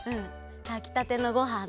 たきたてのごはんと。